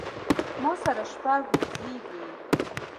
ما سره شپږ وزې دي